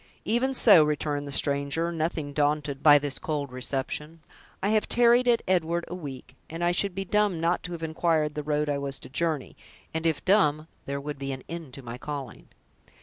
"Even so," returned the stranger, nothing daunted by this cold reception; "I have tarried at 'Edward' a week, and I should be dumb not to have inquired the road I was to journey; and if dumb there would be an end to my calling."